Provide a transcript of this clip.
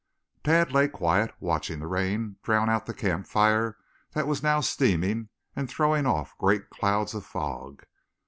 Tad lay quiet, watching the rain drown out the campfire that was now steaming and throwing off great clouds of fog.